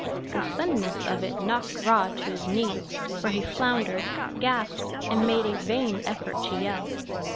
The suddenness of it knocked Rod to his knees, where he floundered, gasped and made a vain effort to yell.